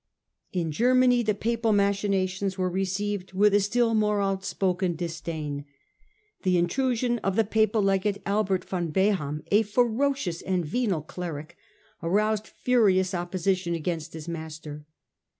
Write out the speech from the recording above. In Germany the Papal machinations were received with a still more outspoken disdain. The intrusion of the Papal Legate Albert von Beham, a ferocious and venal cleric, aroused furious opposition against his master.